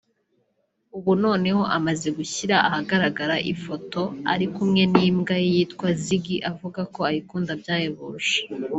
ubu noneho amaze gushyira ahagaragara ifoto ari kumwe n’imbwa ye yitwa Ziggy avuga ko ayikunda byahebuje